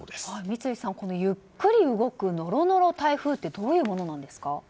三井さん、このゆっくり動くノロノロ台風ってどういうものなんですか？